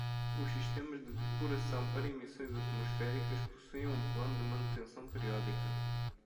Os sistemas de depuração para emissões atmosféricas possuem um plano de manutenção periódica.